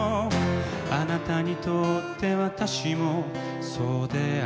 「あなたにとって私もそうでありたい」